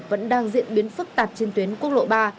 vẫn đang diễn biến phức tạp trên tuyến quốc lộ ba